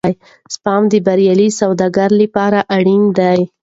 سپما د بریالي سوداګر لپاره اړینه ده.